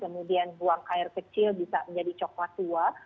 kemudian buang air kecil bisa menjadi coklat tua